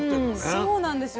そうなんですよね。